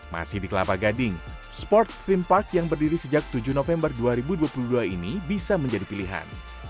masih di kelapa gading sport free park yang berdiri sejak tujuh november dua ribu dua puluh dua ini bisa menjadi pilihan